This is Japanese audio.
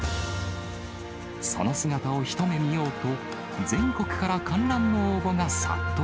その姿を一目見ようと、全国から観覧の応募が殺到。